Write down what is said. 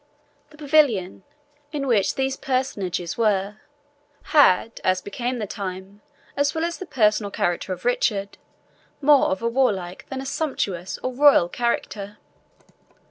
The pavilion in which these personages were, had, as became the time, as well as the personal character of Richard, more of a warlike than a sumptuous or royal character.